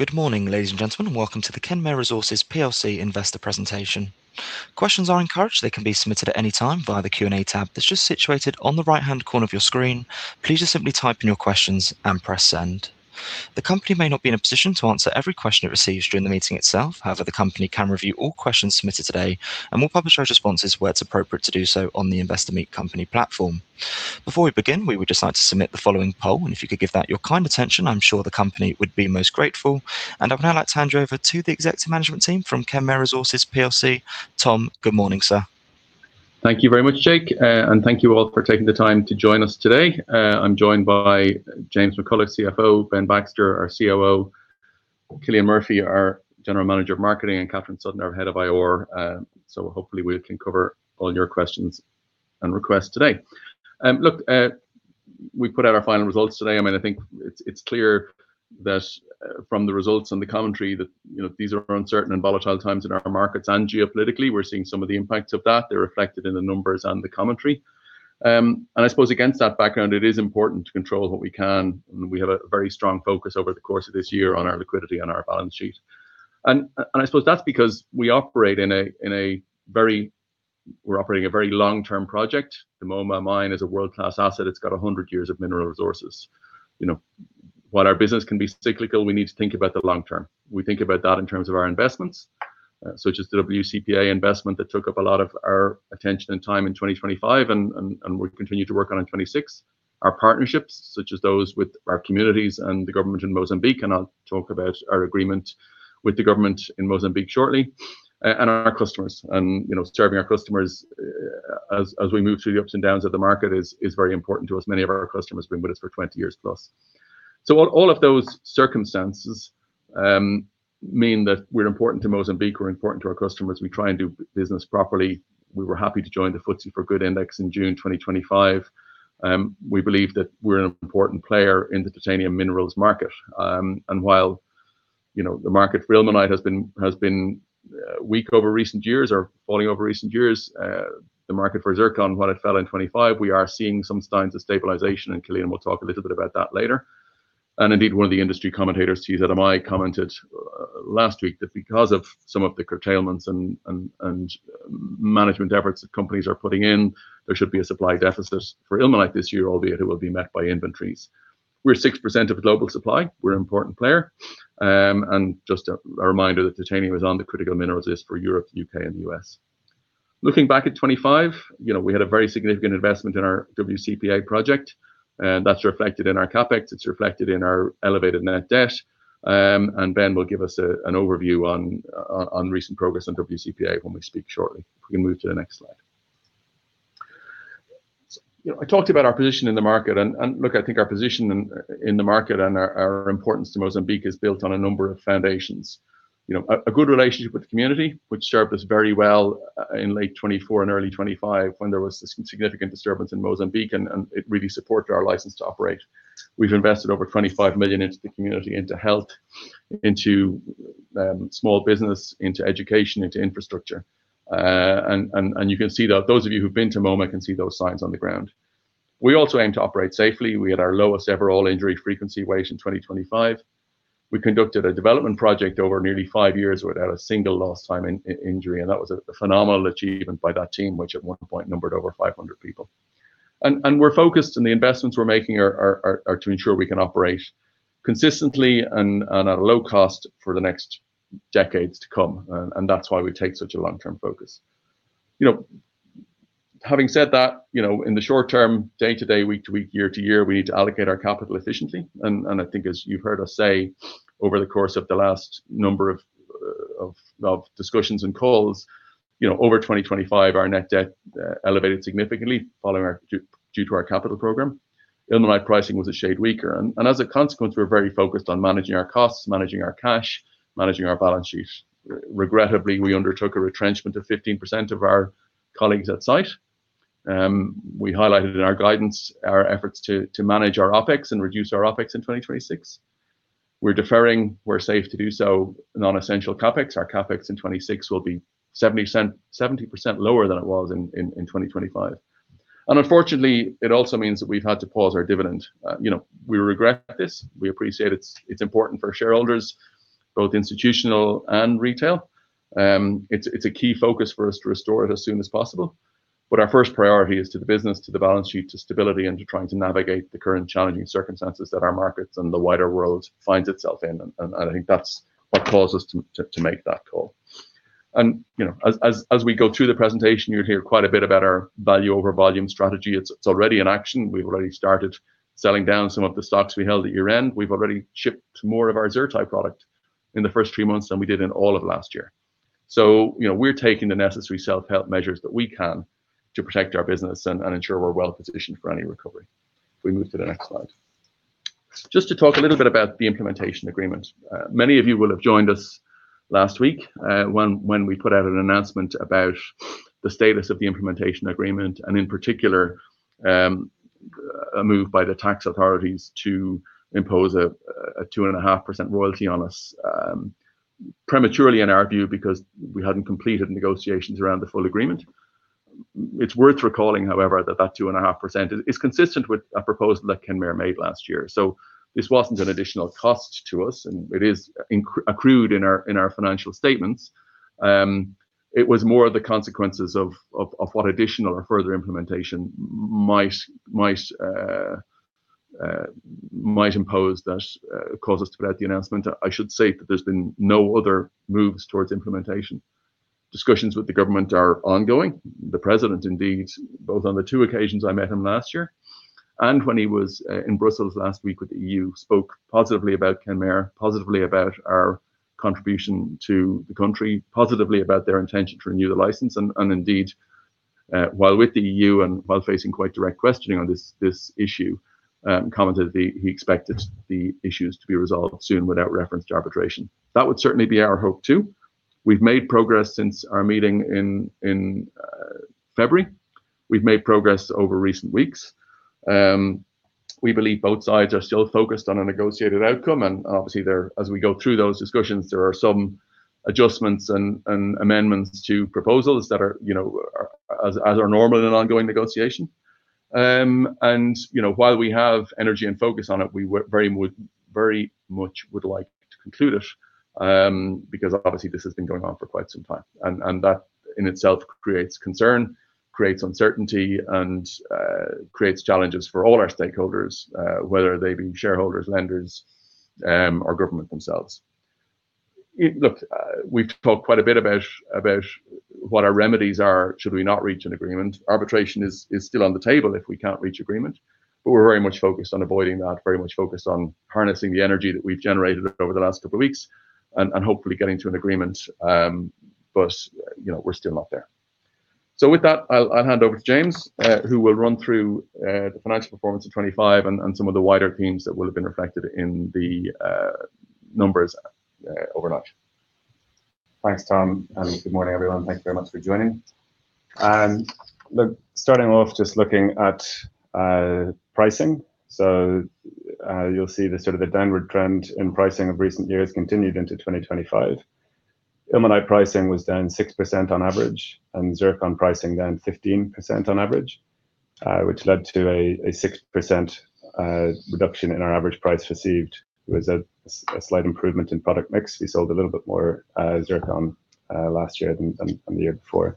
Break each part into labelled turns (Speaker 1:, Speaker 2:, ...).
Speaker 1: Good morning, ladies and gentlemen. Welcome to the Kenmare Resources plc investor presentation. Questions are encouraged. They can be submitted at any time via the Q&A tab that's just situated on the right-hand corner of your screen. Please just simply type in your questions and press send. The company may not be in a position to answer every question it receives during the meeting itself. However, the company can review all questions submitted today and will publish our responses where it's appropriate to do so on the Investor Meet Company platform. Before we begin, we would just like to submit the following poll, and if you could give that your kind attention, I'm sure the company would be most grateful. I would now like to hand you over to the executive management team from Kenmare Resources plc. Tom, good morning, sir.
Speaker 2: Thank you very much, Jake, and thank you all for taking the time to join us today. I'm joined by James McCullough, CFO, Ben Baxter, our COO, Cillian Murphy, our General Manager of Marketing, and Katharine Sutton, our Head of IR. Hopefully, we can cover all your questions and requests today. Look, we put out our final results today. I mean, I think it's clear that from the results and the commentary that, you know, these are uncertain and volatile times in our markets, and geopolitically, we're seeing some of the impacts of that. They're reflected in the numbers and the commentary. I suppose against that background, it is important to control what we can, and we have a very strong focus over the course of this year on our liquidity and our balance sheet. I suppose that's because we operate in a very long-term project. The Moma Mine is a world-class asset. It's got 100 years of mineral resources. You know, while our business can be cyclical, we need to think about the long term. We think about that in terms of our investments, such as the WCPA investment that took up a lot of our attention and time in 2025, and we continue to work on in 2026. Our partnerships, such as those with our communities and the government in Mozambique, and I'll talk about our agreement with the government in Mozambique shortly. Our customers and, you know, serving our customers as we move through the ups and downs of the market is very important to us. Many of our customers have been with us for 20 years+. All of those circumstances mean that we're important to Mozambique, we're important to our customers. We try and do business properly. We were happy to join the FTSE4Good Index in June 2025. We believe that we're an important player in the titanium minerals market. While you know, the market for ilmenite has been weak over recent years or falling over recent years, the market for zircon, while it fell in 2025, we are seeing some signs of stabilization and Cillian will talk a little bit about that later. Indeed, one of the industry commentators, Stephen Zammit, commented last week that because of some of the curtailments and management efforts that companies are putting in, there should be a supply deficit for ilmenite this year, albeit it will be met by inventories. We're 6% of global supply. We're an important player. Just a reminder that titanium is on the critical minerals list for Europe, U.K. and the U.S. Looking back at 2025, you know, we had a very significant investment in our WCPA project, and that's reflected in our CapEx, it's reflected in our elevated net debt. Ben will give us an overview on recent progress on WCPA when we speak shortly. If we can move to the next slide. You know, I talked about our position in the market, and look, I think our position in the market and our importance to Mozambique is built on a number of foundations. You know, a good relationship with the community, which served us very well in late 2024 and early 2025 when there was significant disturbance in Mozambique, and it really supported our license to operate. We've invested over $25 million into the community, into health, into small business, into education, and into infrastructure. You can see that those of you who've been to Moma can see those signs on the ground. We also aim to operate safely. We had our lowest-ever all-injury frequency rate in 2025. We conducted a development project over nearly five years without a single lost time injury, and that was a phenomenal achievement by that team, which at one point numbered over 500 people. We're focused, and the investments we're making are to ensure we can operate consistently and at a low cost for the next decades to come. That's why we take such a long-term focus. You know, having said that, you know, in the short term, day-to-day, week-to-week, year-to-year, we need to allocate our capital efficiently. I think, as you've heard us say over the course of the last number of discussions and calls, you know, over 2025, our net debt elevated significantly due to our capital program. Ilmenite pricing was a shade weaker, and as a consequence, we're very focused on managing our costs, managing our cash, and managing our balance sheet. Regrettably, we undertook a retrenchment of 15% of our colleagues at site. We highlighted in our guidance our efforts to manage our OpEx and reduce our OpEx in 2026. We're deferring, we're safe to do so, non-essential CapEx. Our CapEx in 2026 will be 70% lower than it was in 2025. Unfortunately, it also means that we've had to pause our dividend. You know, we regret this. We appreciate it's important for shareholders, both institutional and retail. It's a key focus for us to restore it as soon as possible. Our first priority is to the business, to the balance sheet, to stability, and to trying to navigate the current challenging circumstances that our markets and the wider world find itself in. I think that's what caused us to make that call. You know, as we go through the presentation, you'll hear quite a bit about our value over volume strategy. It's already in action. We've already started selling down some of the stocks we held at year-end. We've already shipped more of our ZrTi product in the first three months than we did in all of last year. You know, we're taking the necessary self-help measures that we can to protect our business and ensure we're well-positioned for any recovery. If we move to the next slide. Just to talk a little bit about the implementation agreement. Many of you will have joined us last week, when we put out an announcement about the status of the implementation agreement and in particular, a move by the tax authorities to impose a 2.5% royalty on us prematurely in our view, because we hadn't completed negotiations around the full agreement. It's worth recalling, however, that that 2.5% is consistent with a proposal that Kenmare made last year. This wasn't an additional cost to us, and it is accrued in our financial statements. It was more the consequences of what additional or further implementation might impose that caused us to put out the announcement. I should say that there's been no other moves towards implementation. Discussions with the government are ongoing. The president, indeed, both on the two occasions I met him last year and when he was in Brussels last week with the EU, spoke positively about Kenmare, positively about our contribution to the country, positively about their intention to renew the license, and indeed, while with the EU and while facing quite direct questioning on this issue, commented he expected the issues to be resolved soon without reference to arbitration. That would certainly be our hope too. We've made progress since our meeting in February. We've made progress over recent weeks. We believe both sides are still focused on a negotiated outcome, and obviously as we go through those discussions, there are some adjustments and amendments to proposals that are, as are normal in an ongoing negotiation. You know, while we have energy and focus on it, we very much would like to conclude it, because obviously, this has been going on for quite some time. That in itself creates concern, creates uncertainty, and creates challenges for all our stakeholders, whether they being shareholders, lenders, or government themselves. Look, we've talked quite a bit about what our remedies are, should we not reach an agreement. Arbitration is still on the table if we can't reach an agreement, but we're very much focused on avoiding that, very much focused on harnessing the energy that we've generated over the last couple of weeks and hopefully getting to an agreement. You know, we're still not there. With that, I'll hand over to James, who will run through the financial performance of 2025 and some of the wider themes that will have been reflected in the numbers overnight.
Speaker 3: Thanks, Tom, and good morning, everyone. Thank you very much for joining. Look, starting off just looking at pricing. You'll see the sort of downward trend in pricing of recent years continued into 2025. Ilmenite pricing was down 6% on average, and zircon pricing down 15% on average, which led to a 6% reduction in our average price received. It was a slight improvement in product mix. We sold a little bit more zircon last year than the year before.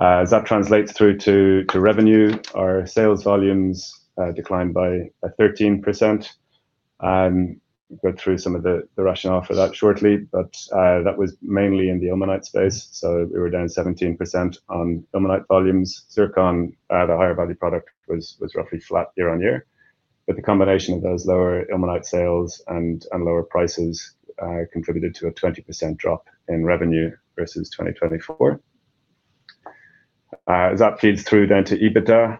Speaker 3: As that translates through to revenue, our sales volumes declined by 13%. I'll go through some of the rationale for that shortly. That was mainly in the ilmenite space, so we were down 17% on ilmenite volumes. Zircon, the higher value product, was roughly flat year-on-year. The combination of those lower ilmenite sales and lower prices contributed to a 20% drop in revenue versus 2024. As that feeds through then to EBITDA,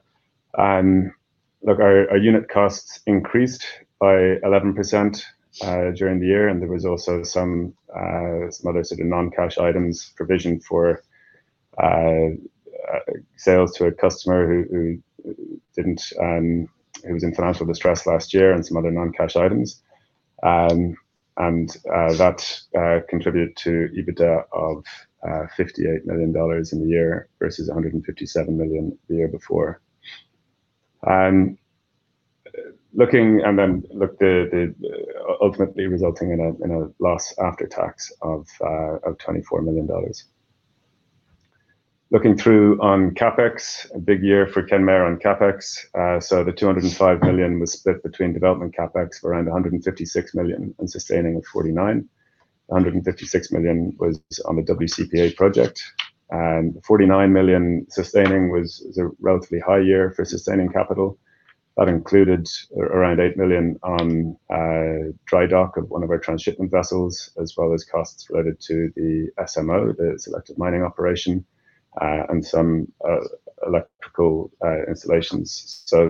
Speaker 3: our unit costs increased by 11% during the year, and there was also some other sort of non-cash items provisioned for sales to a customer who was in financial distress last year and some other non-cash items. That contributed to EBITDA of $58 million in the year versus $157 million the year before. Ultimately resulting in a loss after tax of $24 million. Looking through on CapEx, a big year for Kenmare on CapEx. The $205 million was split between development CapEx of around $156 million and sustaining of $49 million. $156 million was on the WCPA project, and $49 million sustaining was a relatively high year for sustaining capital. That included around $8 million on dry dock of one of our transshipment vessels, as well as costs related to the SMO, the selective mining operation, and some electrical installations. A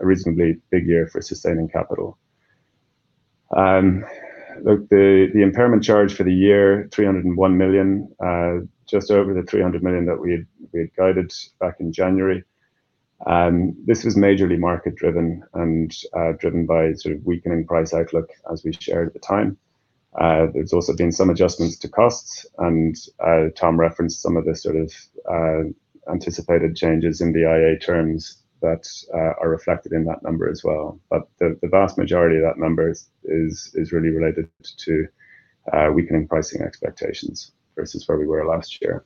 Speaker 3: reasonably big year for sustaining capital. The impairment charge for the year, $301 million, just over the $300 million that we had guided back in January. This was majorly market-driven and driven by sort of weakening price outlook as we shared at the time. There's also been some adjustments to costs, and Tom referenced some of the sort of anticipated changes in the IA terms that are reflected in that number as well. The vast majority of that number is really related to weakening pricing expectations versus where we were last year.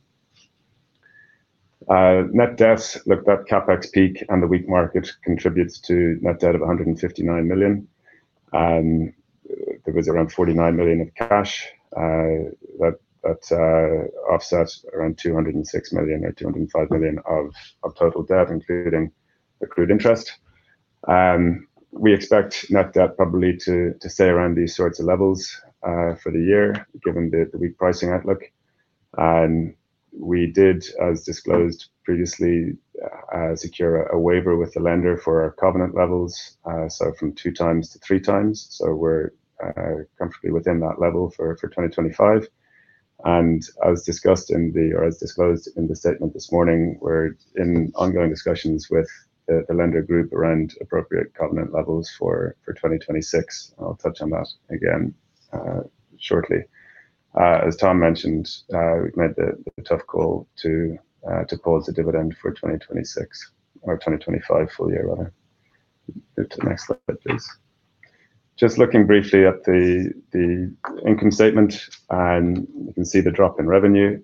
Speaker 3: Net debt, look, that CapEx peak and the weak market contributes to net debt of $159 million. There was around $49 million of cash that offsets around $206 million or $205 million of total debt, including accrued interest. We expect net debt probably to stay around these sorts of levels for the year, given the weak pricing outlook. We did, as disclosed previously, secure a waiver with the lender for our covenant levels, so from 2x to 3x. We're comfortably within that level for 2025. As discussed, or as disclosed in the statement this morning, we're in ongoing discussions with the lender group around appropriate covenant levels for 2026. I'll touch on that again shortly. As Tom mentioned, we've made the tough call to pause the dividend for 2026 or 2025 full year rather. Move to the next slide, please. Just looking briefly at the income statement, and you can see the drop in revenue,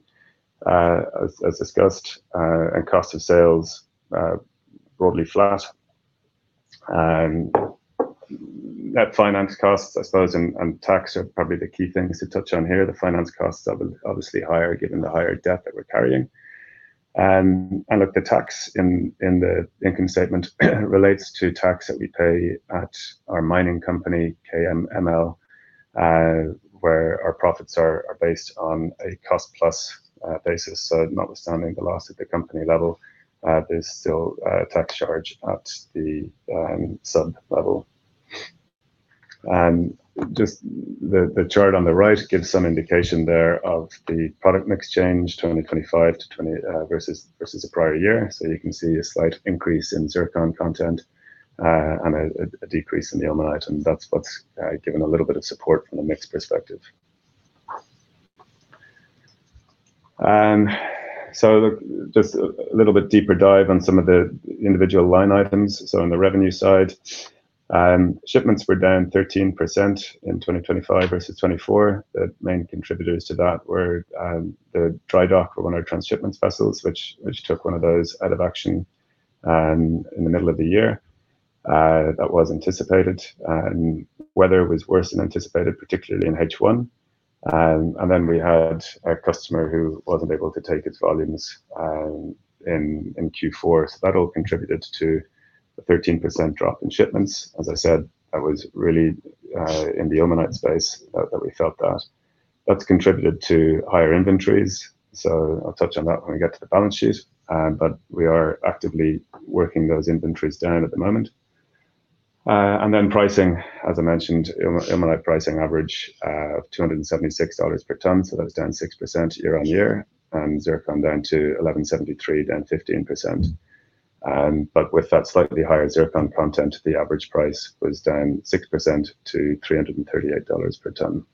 Speaker 3: as discussed, and cost of sales, broadly flat. Net finance costs, I suppose, and tax are probably the key things to touch on here. The finance costs are obviously higher given the higher debt that we're carrying. Look, the tax in the income statement relates to tax that we pay at our mining company, KMML, where our profits are based on a cost-plus basis. Notwithstanding the loss at the company level, there's still a tax charge at the sub-level. Just the chart on the right gives some indication there of the product mix change, 2025 versus the prior year. You can see a slight increase in zircon content, and a decrease in the ilmenite, and that's what's given a little bit of support from a mix perspective. Look, just a little bit deeper dive on some of the individual line items. On the revenue side, shipments were down 13% in 2025 versus 2024. The main contributors to that were the dry dock for one of our transshipment vessels, which took one of those out of action in the middle of the year, that was anticipated. Weather was worse than anticipated, particularly in H1. And then we had a customer who wasn't able to take its volumes in Q4. That all contributed to the 13% drop in shipments. As I said, that was really in the ilmenite space that we felt. That's contributed to higher inventories. I'll touch on that when we get to the balance sheet. We are actively working those inventories down at the moment. Then pricing, as I mentioned, ilmenite pricing average of $276 per tonne, so that was down 6% year-on-year. Zircon down to $1,173, down 15%. With that slightly higher zircon content, the average price was down 6% to $338 per tonne.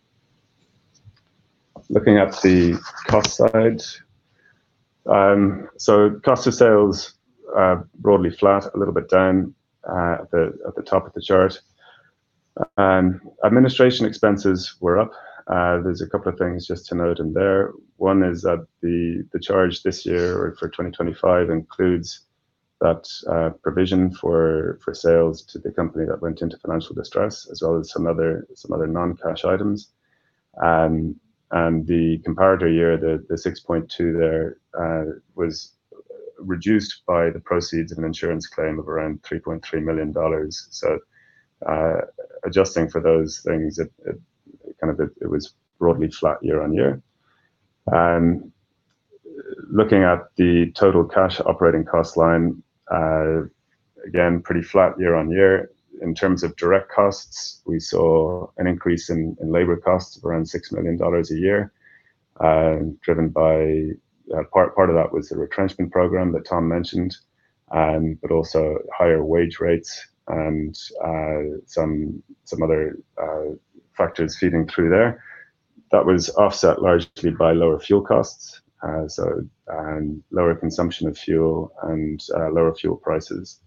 Speaker 3: Looking at the cost side. Cost of sales are broadly flat, a little bit down at the top of the chart. Administration expenses were up. There's a couple of things just to note in there. One is that the charge this year or for 2025 includes that provision for sales to the company that went into financial distress, as well as some other non-cash items. The comparator year, the 6.2 there, was reduced by the proceeds of an insurance claim of around $3.3 million. Adjusting for those things, it was broadly flat year-on-year. Looking at the total cash operating cost line, again, pretty flat year-on-year. In terms of direct costs, we saw an increase in labor costs of around $6 million a year, driven by part of that was the retrenchment program that Tom mentioned, but also higher wage rates and some other factors feeding through there. That was offset largely by lower fuel costs, lower consumption of fuel, and lower fuel prices.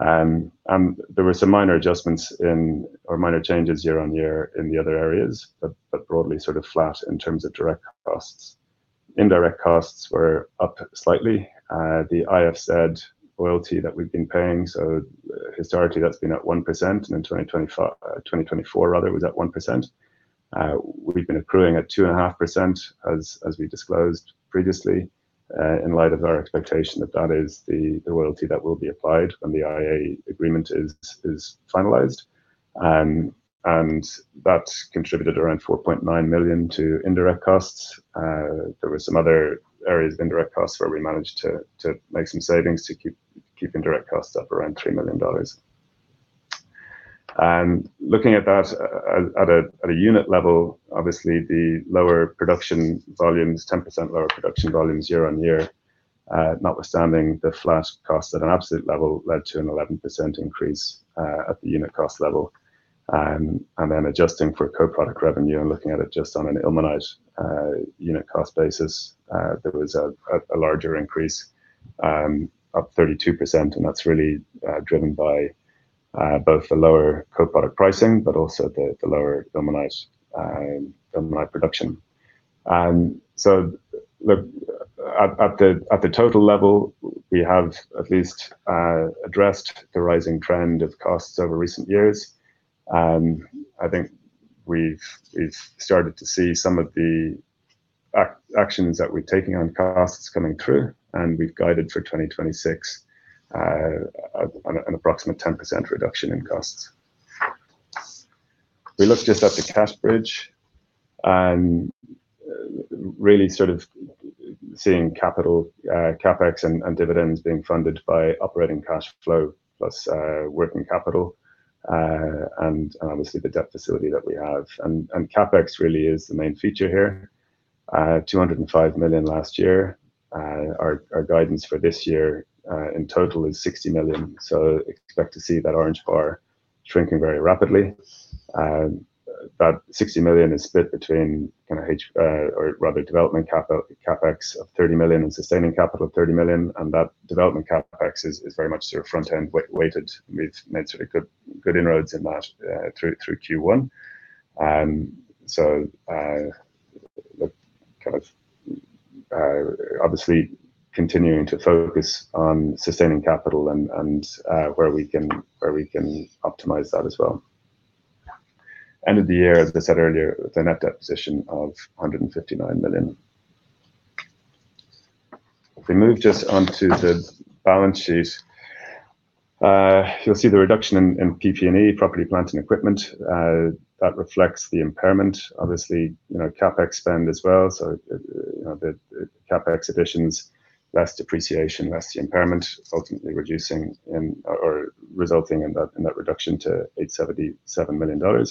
Speaker 3: There were some minor adjustments in or minor changes year-on-year in the other areas but broadly sort of flat in terms of direct costs. Indirect costs were up slightly. The IFZ royalty that we've been paying, so historically, that's been at 1%, and in 2024 rather, it was at 1%. We've been accruing at 2.5% as we disclosed previously, in light of our expectation that that is the royalty that will be applied when the IA agreement is finalized. That contributed around $4.9 million to indirect costs. There were some other areas of indirect costs where we managed to make some savings to keep indirect costs up around $3 million. Looking at that at a unit level, obviously the lower production volumes, 10% lower production volumes year-on-year, notwithstanding the flat costs at an absolute level led to an 11% increase at the unit cost level. Adjusting for co-product revenue and looking at it just on an ilmenite unit cost basis, there was a larger increase up 32%, and that's really driven by both the lower co-product pricing, but also the lower ilmenite production. Look at the total level, we have at least addressed the rising trend of costs over recent years. I think we've started to see some of the actions that we're taking on costs coming through, and we've guided for 2026, an approximate 10% reduction in costs. If we look just at the cash bridge, really sort of seeing capital, CapEx and dividends being funded by operating cash flow plus working capital, and obviously the debt facility that we have. CapEx really is the main feature here. $205 million last year. Our guidance for this year, in total is $60 million. Expect to see that orange bar shrinking very rapidly. That $60 million is split between kind of or rather development CapEx of $30 million and sustaining capital of $30 million. That development CapEx is very much sort of front end weighted. We've made sort of good inroads in that through Q1. Kind of obviously continuing to focus on sustaining capital and where we can optimize that as well. End of the year, as I said earlier, the net debt position of $159 million. If we move just onto the balance sheet, you'll see the reduction in PP&E, property, plant and equipment. That reflects the impairment, obviously, you know, CapEx spends as well. You know, the CapEx additions, less depreciation, less the impairment ultimately reducing and or resulting in that reduction to $877 million.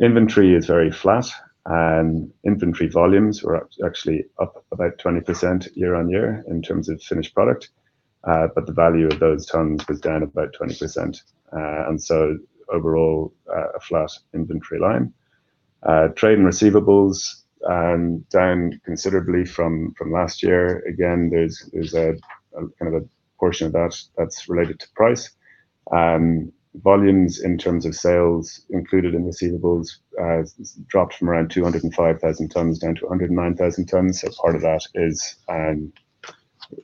Speaker 3: Inventory is very flat and inventory volumes were actually up about 20% year-on-year in terms of finished product. The value of those tons was down about 20%. Overall, a flat inventory line. Trade and receivables down considerably from last year. Again, there's a kind of portion of that that's related to price. Volumes in terms of sales included in receivables dropped from around 205,000 tons down to 109,000 tons. Part of that is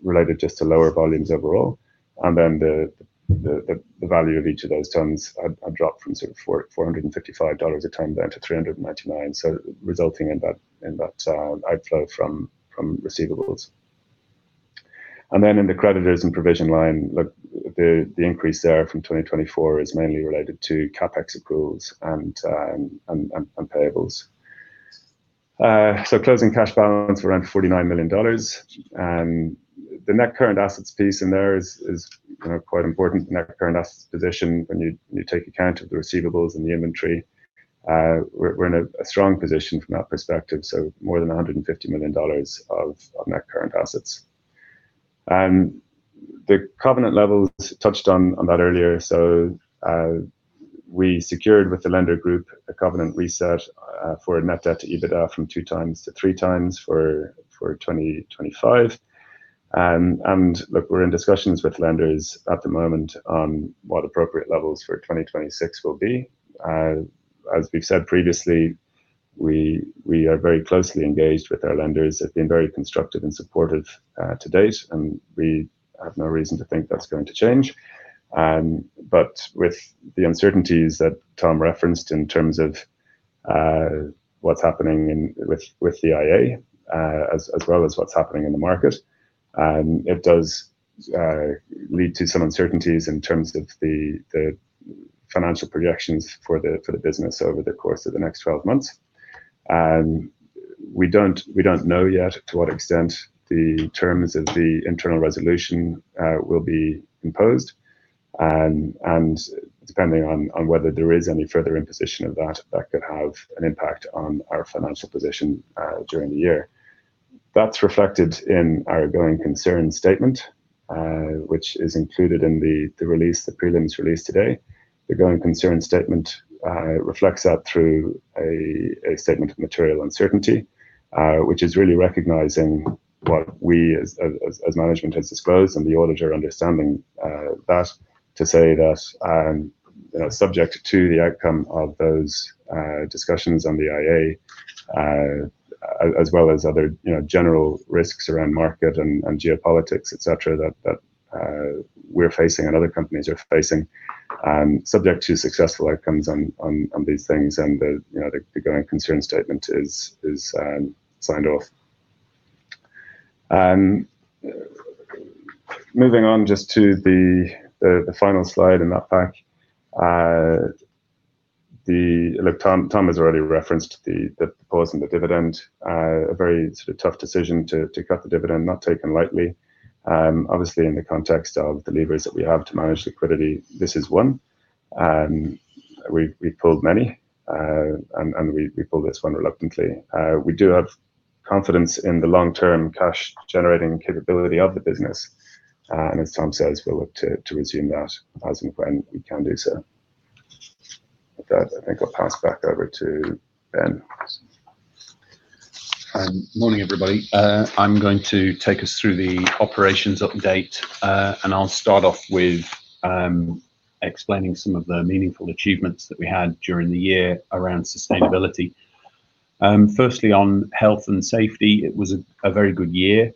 Speaker 3: related just to lower volumes overall. The value of each of those tons have dropped from sort of $455 a ton down to $399. Resulting in that outflow from receivables. In the creditors and provision line, the increase there from 2024 is mainly related to CapEx accruals and payables. Closing cash balance around $49 million. The net current assets piece in there is, you know, quite important. The net current assets position, when you take account of the receivables and the inventory, we're in a strong position from that perspective, more than $150 million of net current assets. The covenant levels touched on that earlier. We secured with the lender group a covenant reset for net debt to EBITDA from 2x-3x for 2025. Look, we're in discussions with lenders at the moment on what appropriate levels for 2026 will be. As we've said previously, we are very closely engaged with our lenders. They've been very constructive and supportive to date, and we have no reason to think that's going to change. With the uncertainties that Tom referenced in terms of what's happening in with the IA as well as what's happening in the market, it does lead to some uncertainties in terms of the financial projections for the business over the course of the next 12 months. We don't know yet to what extent the terms of the internal resolution will be imposed. Depending on whether there is any further imposition of that could have an impact on our financial position during the year. That's reflected in our going concern statement, which is included in the release, the prelims release today. The going concern statement reflects that through a statement of material uncertainty, which is really recognizing what we as management has disclosed and the auditor understanding that to say that, you know, subject to the outcome of those discussions on the IA, as well as other, you know, general risks around market and geopolitics, et cetera, that we're facing and other companies are facing, subject to successful outcomes on these things. The going concern statement is signed off. Moving on just to the final slide in that pack. Look, Tom has already referenced proposing the dividend. A very sort of tough decision to cut the dividend, not taken lightly. Obviously, in the context of the levers that we have to manage liquidity, this is one. We pulled many, and we pulled this one reluctantly. We do have confidence in the long-term cash generating capability of the business. As Tom says, we'll look to resume that as and when we can do so. With that, I think I'll pass back over to Ben.
Speaker 4: Morning, everybody. I'm going to take us through the operations update. I'll start off with explaining some of the meaningful achievements that we had during the year around sustainability. Firstly, on health and safety, it was a very good year.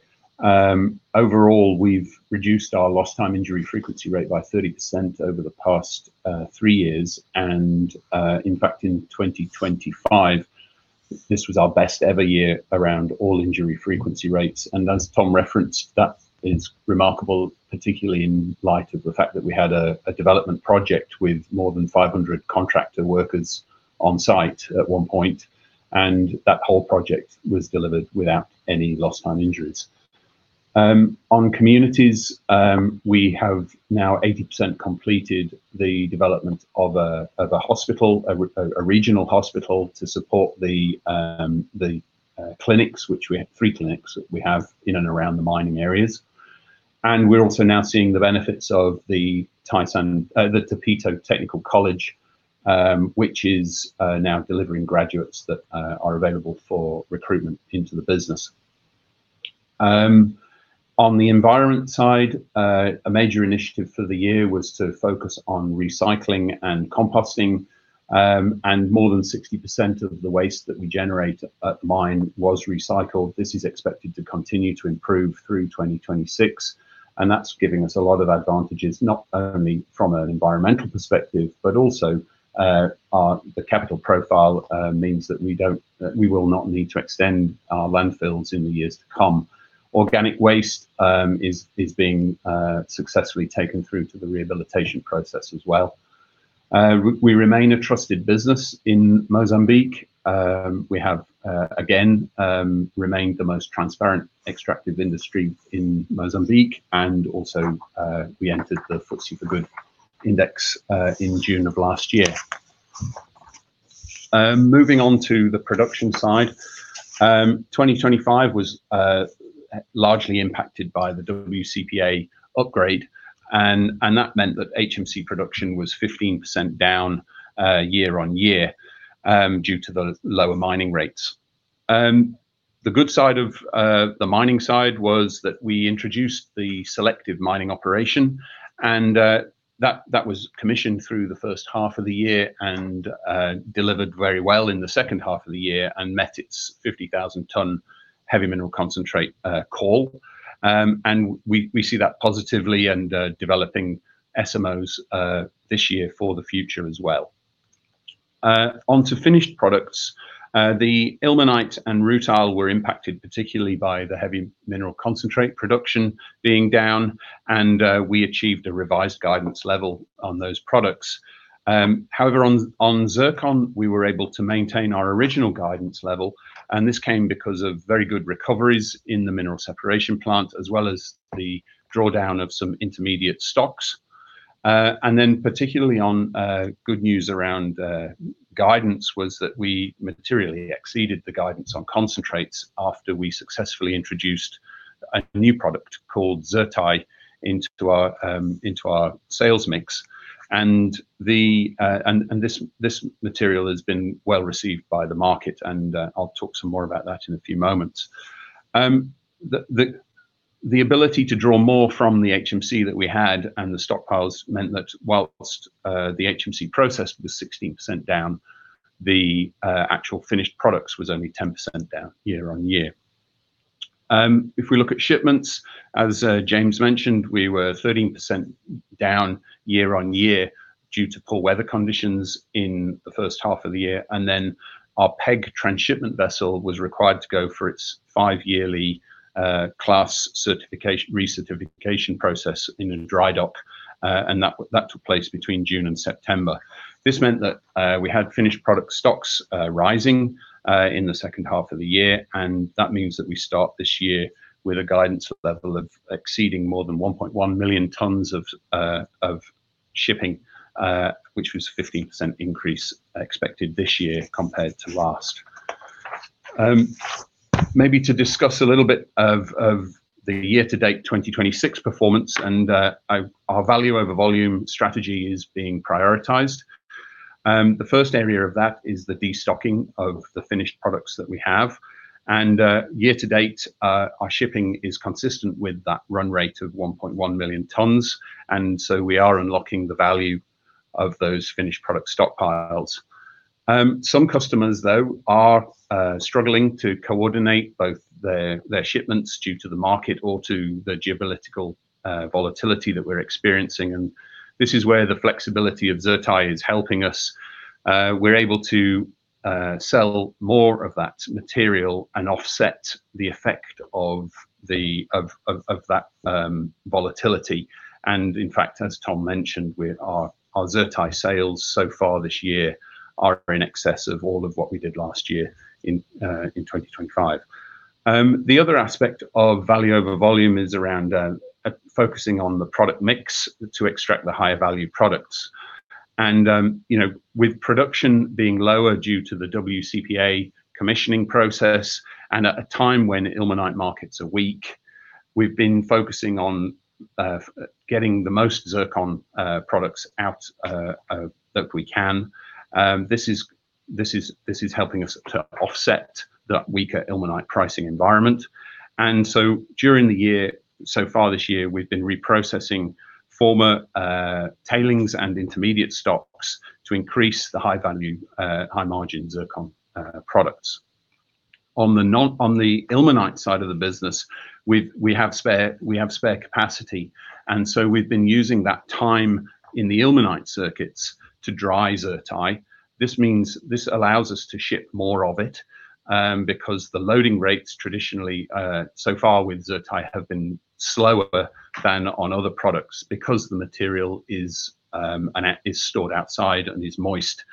Speaker 4: Overall, we've reduced our lost time injury frequency rate by 30% over the past three years. In fact, in 2025, this was our best ever year around all injury frequency rates. As Tom referenced, that is remarkable, particularly in light of the fact that we had a development project with more than 500 contractor workers on site at one point, and that whole project was delivered without any lost time injuries. On communities, we have now 80% completed the development of a regional hospital to support the clinics, which we have three clinics in and around the mining areas. We're also now seeing the benefits of the Topuito Technical College, which is now delivering graduates that are available for recruitment into the business. On the environment side, a major initiative for the year was to focus on recycling and composting, and more than 60% of the waste that we generate at the mine was recycled. This is expected to continue to improve through 2026, and that's giving us a lot of advantages, not only from an environmental perspective, but also, the capital profile means that we will not need to extend our landfills in the years to come. Organic waste is being successfully taken through to the rehabilitation process as well. We remain a trusted business in Mozambique. We have again remained the most transparent extractive industry in Mozambique, and also, we entered the FTSE4Good index in June of last year. Moving on to the production side. 2025 was largely impacted by the WCPA upgrade, and that meant that HMC production was 15% down year-on-year due to the lower mining rates. The good side of the mining side was that we introduced the selective mining operation and that was commissioned through the first half of the year and delivered very well in the second half of the year and met its 50,000-ton heavy mineral concentrate call. We see that positively and developing SMOs this year for the future as well. Onto finished products. The ilmenite and rutile were impacted particularly by the heavy mineral concentrate production being down, and we achieved a revised guidance level on those products. However, on zircon, we were able to maintain our original guidance level, and this came because of very good recoveries in the mineral separation plant, as well as the drawdown of some intermediate stocks. Particularly good news around guidance was that we materially exceeded the guidance on concentrates after we successfully introduced a new product called ZrTi into our sales mix. This material has been well received by the market, And I'll talk some more about that in a few moments. The ability to draw more from the HMC that we had and the stockpiles meant that while the HMC process was 16% down, the actual finished products was only 10% down year-on-year. If we look at shipments, as James mentioned, we were 13% down year-on-year due to poor weather conditions in the first half of the year, and then our peg transshipment vessel was required to go for its five-yearly class certification, recertification process in a dry dock, and that took place between June and September. This meant that we had finished product stocks rising in the second half of the year and that means that we start this year with a guidance level of exceeding more than 1.1 million tons of shipping, which was a 15% increase expected this year compared to last. Maybe to discuss a little bit of the year-to-date 2026 performance and our value over volume strategy is being prioritized. The first area of that is the destocking of the finished products that we have. Year-to-date, our shipping is consistent with that run rate of 1.1 million tons, and so we are unlocking the value of those finished product stockpiles. Some customers though are struggling to coordinate both their shipments due to the market or to the geopolitical volatility that we're experiencing, and this is where the flexibility of ZrTi is helping us. We're able to sell more of that material and offset the effect of that volatility. In fact, as Tom mentioned, with our ZrTi sales so far this year are in excess of all of what we did last year in 2025. The other aspect of value over volume is around focusing on the product mix to extract the higher value products. You know, with production being lower due to the WCPA commissioning process and at a time when ilmenite markets are weak, we've been focusing on getting the most zircon products out that we can. This is helping us to offset that weaker ilmenite pricing environment. During the year so far this year, we've been reprocessing former tailings and intermediate stocks to increase the high value high margin zircon products. On the ilmenite side of the business, we have spare capacity and so we've been using that time in the ilmenite circuits to dry ZrTi. This means this allows us to ship more of it, because the loading rates traditionally, so far with ZrTi have been slower than on other products, because the material is stored outside and is moist.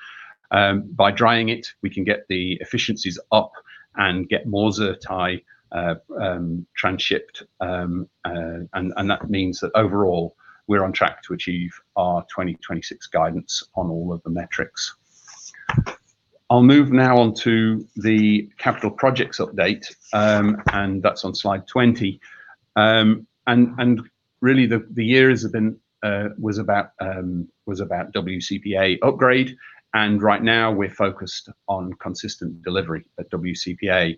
Speaker 4: By drying it, we can get the efficiencies up and get more ZrTi transshipped, and that means that overall, we're on track to achieve our 2026 guidance on all of the metrics. I'll move now on to the capital projects update, and that's on slide 20. Really the year has been about WCPA upgrade, and right now we're focused on consistent delivery at WCPA.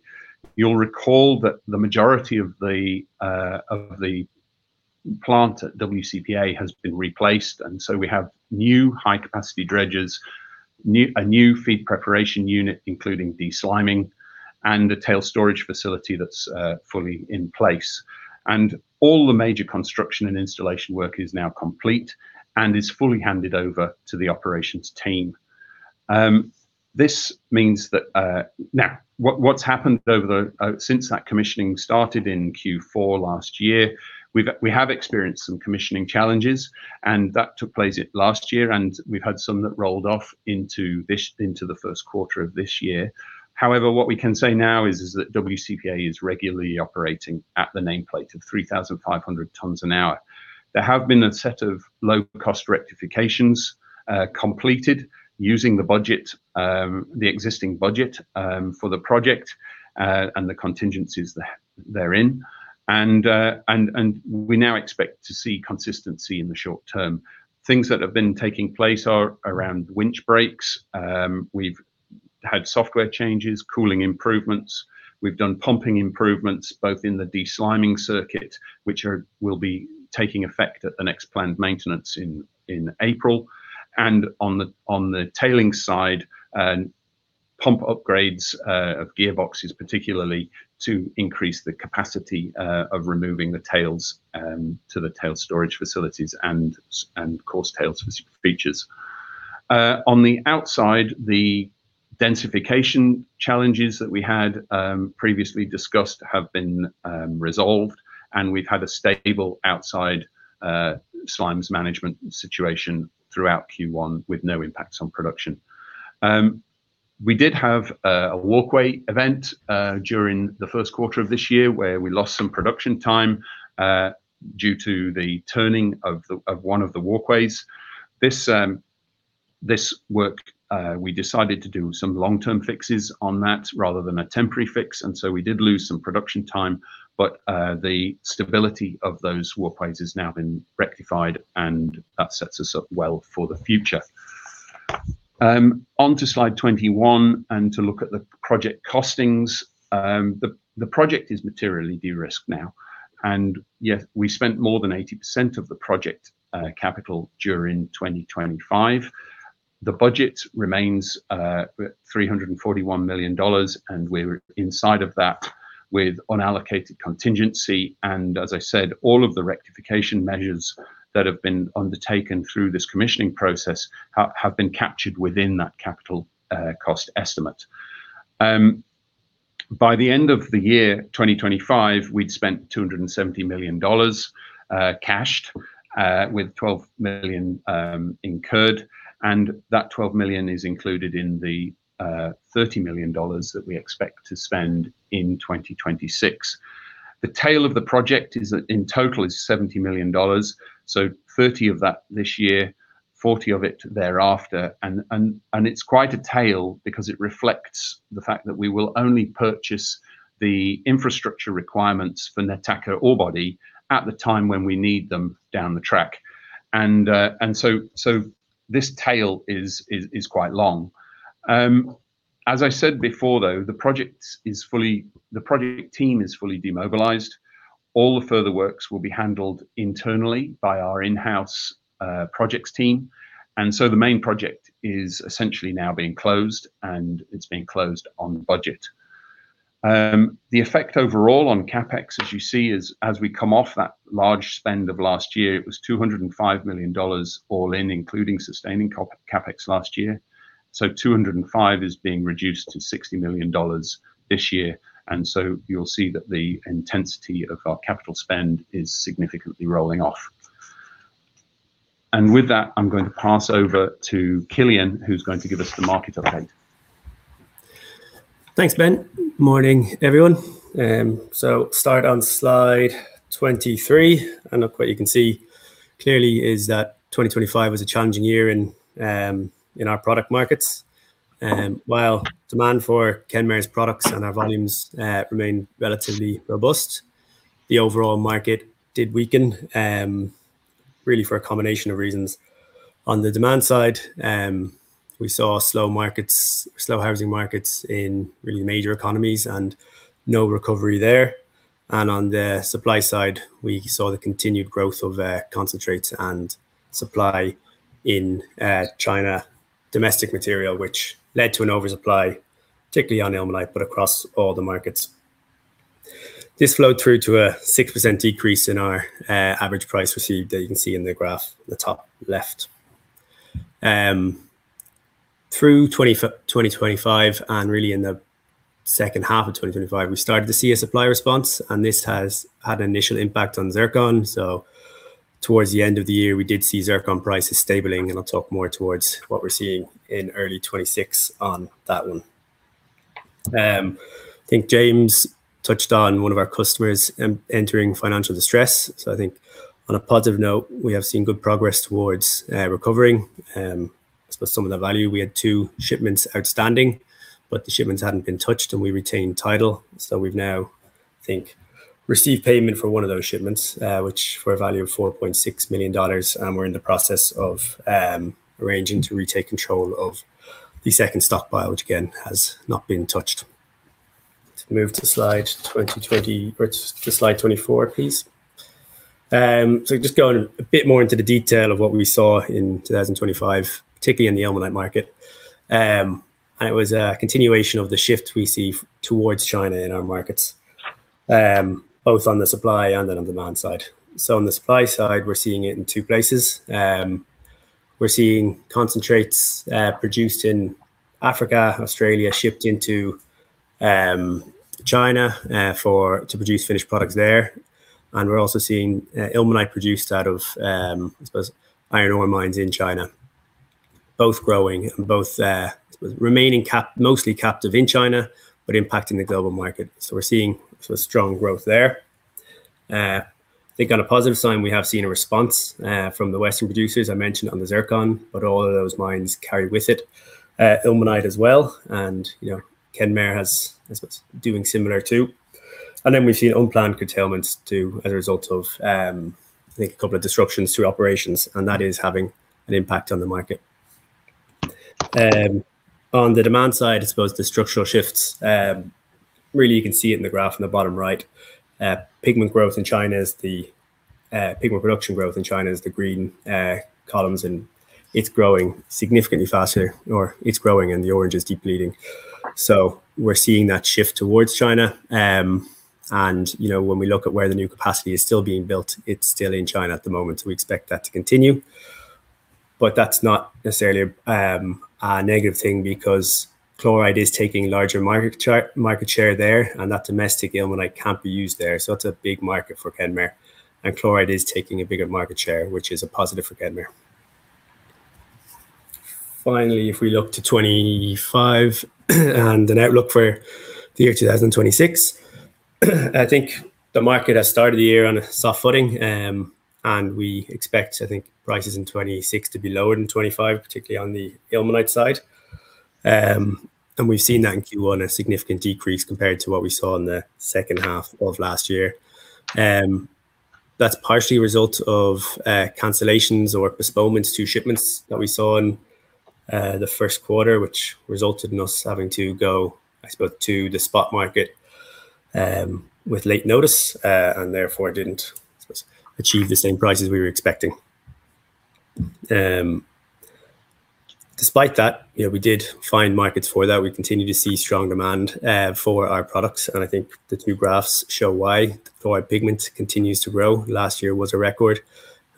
Speaker 4: You'll recall that the majority of the plant at WCPA has been replaced and so we have new high-capacity dredges, a new feed preparation unit, including desliming and a tail storage facility that's fully in place. All the major construction and installation work is now complete and is fully handed over to the operations team. This means that now what's happened since that commissioning started in Q4 last year, we have experienced some commissioning challenges, and that took place last year, and we've had some that rolled off into the Q1 of this year. However, what we can say now is that WCPA is regularly operating at the nameplate of 3,500 tons an hour. There have been a set of low-cost rectifications completed using the budget, the existing budget, for the project, and the contingencies therein. We now expect to see consistency in the short term. Things that have been taking place are around winch breaks. We've had software changes, cooling improvements. We've done pumping improvements both in the desliming circuit, which will be taking effect at the next planned maintenance in April. On the tailing side, pump upgrades of gearboxes, particularly to increase the capacity of removing the tails to the tail storage facilities and coarse tail features. On the outside, the densification challenges that we had previously discussed have been resolved, and we've had a stable outside slimes management situation throughout Q1 with no impacts on production. We did have a walkway event during the Q1 of this year where we lost some production time due to the turning of one of the walkways. This work we decided to do some long-term fixes on that rather than a temporary fix, and so we did lose some production time. The stability of those walkways has now been rectified, and that sets us up well for the future. Onto slide 21 and to look at the project costings. The project is materially de-risked now. Yeah, we spent more than 80% of the project capital during 2025. The budget remains at $341 million, and we're inside of that with unallocated contingency. As I said, all of the rectification measures that have been undertaken through this commissioning process have been captured within that capital cost estimate. By the end of the year 2025, we'd spent $270 million cash, with $12 million incurred, and that $12 million is included in the $30 million that we expect to spend in 2026. The tail of the project is that in total $70 million. Thirty of that this year, forty of it thereafter. It's quite a tail because it reflects the fact that we will only purchase the infrastructure requirements for Nataka ore body at the time when we need them down the track. This tail is quite long. As I said before though, the project team is fully demobilized. All the further works will be handled internally by our in-house projects team. The main project is essentially now being closed, and it's being closed on budget. The effect overall on CapEx, as you see, is as we come off that large spend of last year, it was $205 million all in, including sustaining CapEx last year. $205 million is being reduced to $60 million this year. You'll see that the intensity of our capital spend is significantly rolling off. With that, I'm going to pass over to Cillian, who's going to give us the market update.
Speaker 5: Thanks, Ben. Morning, everyone. Start on slide 23. Look what you can see clearly is that 2025 was a challenging year in our product markets. While demand for Kenmare's products and our volumes remain relatively robust, the overall market did weaken really for a combination of reasons. On the demand side, we saw slow markets, slow housing markets in really major economies, and no recovery there. On the supply side, we saw the continued growth of concentrates and supply in China's domestic material, which led to an oversupply, particularly on ilmenite, but across all the markets. This flowed through to a 6% decrease in our average price received that you can see in the graph at the top left. Through 2025 and really in the second half of 2025, we started to see a supply response, and this has had an initial impact on zircon. Towards the end of the year, we did see zircon prices stabilizing, and I'll talk more towards what we're seeing in early 2026 on that one. I think James touched on one of our customers entering financial distress. I think on a positive note, we have seen good progress towards recovering, I suppose some of the value. We had two shipments outstanding, but the shipments hadn't been touched, and we retained title. We've now, I think, received payment for one of those shipments, which were a value of $4.6 million, and we're in the process of arranging to retake control of the second stockpile, which again has not been touched. To move to slide 24, please. Just going a bit more into the detail of what we saw in 2025, particularly in the ilmenite market, and it was a continuation of the shift we see towards China in our markets, both on the supply and on the demand side. On the supply side, we're seeing it in two places. We're seeing concentrates produced in Africa, Australia, shipped into China to produce finished products there. We're also seeing ilmenite produced out of I suppose iron ore mines in China, both growing and remaining mostly captive in China, but impacting the global market. We're seeing sort of strong growth there. I think on a positive sign, we have seen a response from the Western producers I mentioned on the zircon, but all of those mines carry with it ilmenite as well. You know, Kenmare has, I suppose, doing similar too. We've seen unplanned curtailments too as a result of, I think a couple of disruptions to operations, and that is having an impact on the market. On the demand side, I suppose the structural shifts really you can see it in the graph in the bottom right. Pigment production growth in China is the green columns, and it's growing significantly faster or it's growing and the orange is depleting. We're seeing that shift towards China. You know, when we look at where the new capacity is still being built, it's still in China at the moment, so we expect that to continue. That's not necessarily a negative thing because chloride is taking larger market share there and that domestic ilmenite can't be used there. It's a big market for Kenmare, and chloride is taking a bigger market share, which is a positive for Kenmare. Finally, if we look to 2025 and an outlook for the year 2026. I think the market has started the year on a soft footing, and we expect, I think, prices in 2026 to be lower than 2025, particularly on the ilmenite side. We've seen that in Q1, a significant decrease compared to what we saw in the second half of last year. That's partially a result of cancellations or postponements to shipments that we saw in the Q1, which resulted in us having to go, I suppose, to the spot market with late notice, and therefore didn't, I suppose, achieve the same prices we were expecting. Despite that, you know, we did find markets for that. We continue to see strong demand for our products, and I think the two graphs show why. Chloride pigment continues to grow. Last year was a record,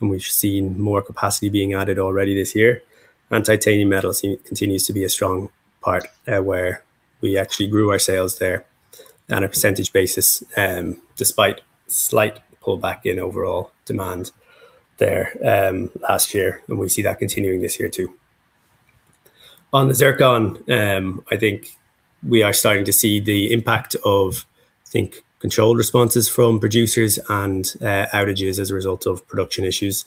Speaker 5: and we've seen more capacity being added already this year. Titanium metal continues to be a strong part where we actually grew our sales there on a percentage basis despite slight pullback in overall demand there last year, and we see that continuing this year, too. On the zircon, I think we are starting to see the impact of, I think, controlled responses from producers and outages as a result of production issues.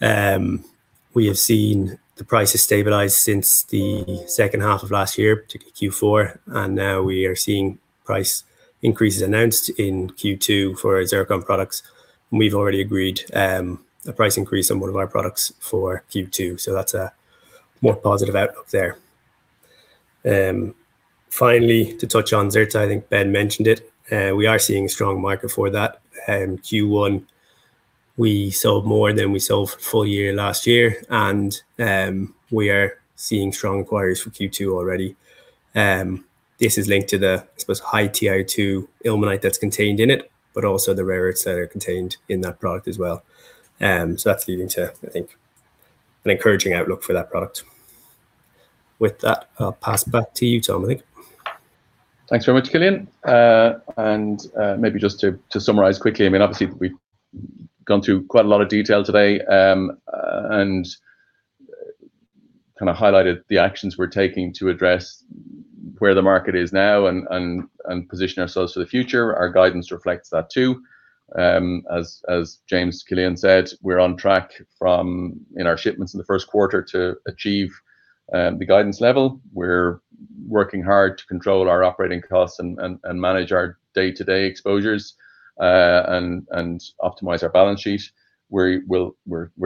Speaker 5: We have seen the prices stabilize since the second half of last year, particularly Q4, and now we are seeing price increases announced in Q2 for our zircon products. We've already agreed a price increase on one of our products for Q2, so that's a more positive outlook there. Finally, to touch on ZrTi, I think Ben mentioned it. We are seeing a strong market for that. Q1, we sold more than we sold for full year last year, and we are seeing strong inquiries for Q2 already. This is linked to the, I suppose, high TiO2 ilmenite that's contained in it, but also the rare earths that are contained in that product as well. That's leading to, I think, an encouraging outlook for that product. With that, I'll pass back to you, Tom.
Speaker 2: Thanks very much, Cillian. Maybe just to summarize quickly, I mean, obviously, we've gone through quite a lot of detail today, and kind of highlighted the actions we're taking to address where the market is now and position ourselves for the future. Our guidance reflects that, too. As James and Cillian said, we're on track for our shipments in the Q1 to achieve the guidance level. We're working hard to control our operating costs and manage our day-to-day exposures and optimize our balance sheet. We're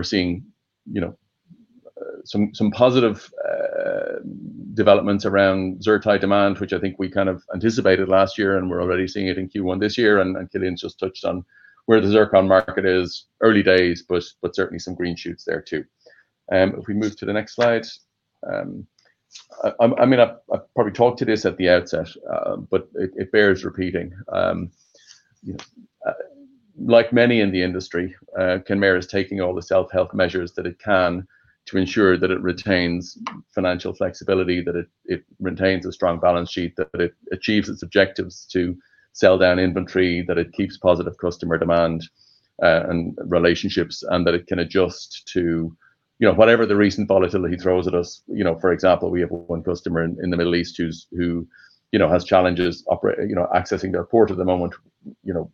Speaker 2: seeing, you know, some positive developments around ZrTi demand, which I think we kind of anticipated last year, and we're already seeing it in Q1 this year. Cillian's just touched on where the zircon market is, early days, but certainly some green shoots there too. If we move to the next slide. I mean, I probably talked to this at the outset, but it bears repeating. You know. Like many in the industry, Kenmare is taking all the self-help measures that it can to ensure that it retains financial flexibility, that it retains a strong balance sheet, that it achieves its objectives to sell down inventory, that it keeps positive customer demand, and relationships, and that it can adjust to, you know, whatever the recent volatility throws at us. For example, we have one customer in the Middle East who, you know, has challenges accessing their port at the moment. You know,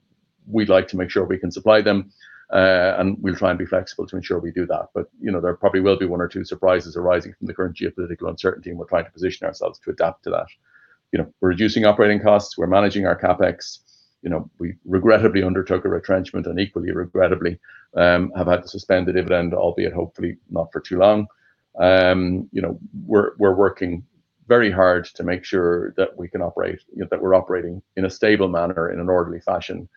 Speaker 2: we'd like to make sure we can supply them, and we'll try and be flexible to ensure we do that. You know, there probably will be one or two surprises arising from the current geopolitical uncertainty, and we're trying to position ourselves to adapt to that. You know, we're reducing operating costs. We're managing our CapEx. You know, we regrettably undertook a retrenchment and equally regrettably have had to suspend the dividend, albeit hopefully not for too long. You know, we're working very hard to make sure that we can operate, you know, that we're operating in a stable manner, in an orderly fashion,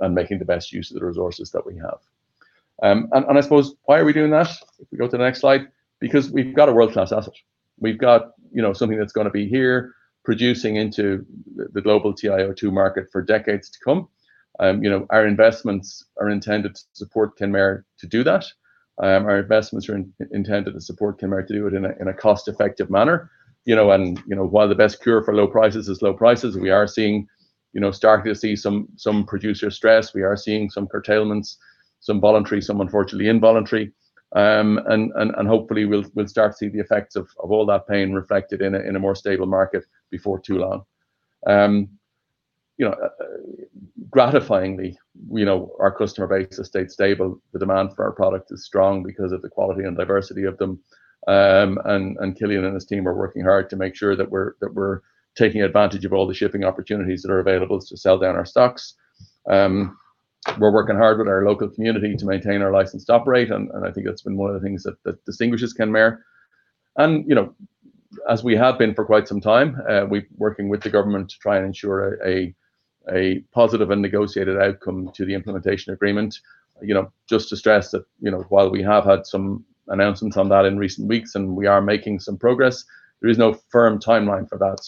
Speaker 2: and making the best use of the resources that we have. And I suppose, why are we doing that? If we go to the next slide. Because we've got a world-class asset. We've got something that's going be here producing into the global TiO2 market for decades to come. Our investments are intended to support Kenmare to do that. Our investments are intended to support Kenmare to do it in a cost-effective manner. One of the best cure for low prices is low prices. We are starting to see some producer stress. We are seeing some curtailments, some voluntary, some unfortunately involuntary. Hopefully we'll start to see the effects of all that pain reflected in a more stable market before too long. Gratifyingly, our customer base has stayed stable. The demand for our product is strong because of the quality and diversity of them. Cillian and his team are working hard to make sure that we're taking advantage of all the shipping opportunities that are available to sell down our stocks. We're working hard with our local community to maintain our license to operate, and I think that's been one of the things that distinguishes Kenmare. You know, as we have been for quite some time, we're working with the government to try and ensure a positive and negotiated outcome to the implementation agreement. You know, just to stress that, you know, while we have had some announcements on that in recent weeks and we are making some progress, there is no firm timeline for that.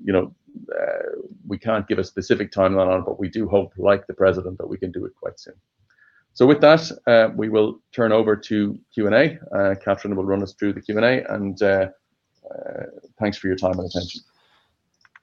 Speaker 2: You know, we can't give a specific timeline on it, but we do hope, like the president, that we can do it quite soon. With that, we will turn over to Q&A. Catherine will run us through the Q&A, and thanks for your time and attention.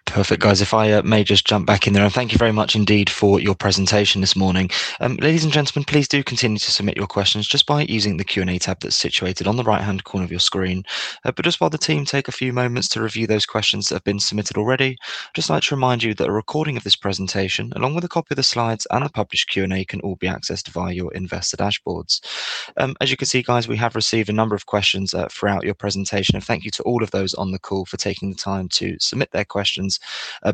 Speaker 1: Perfect. Guys, if I may just jump back in there. Thank you very much indeed for your presentation this morning. Ladies and gentlemen, please do continue to submit your questions just by using the Q&A tab that's situated on the right-hand corner of your screen. But just while the team take a few moments to review those questions that have been submitted already, just like to remind you that a recording of this presentation, along with a copy of the slides and a published Q&A, can all be accessed via your investor dashboards. As you can see, guys, we have received a number of questions throughout your presentation. Thank you to all of those on the call for taking the time to submit their questions.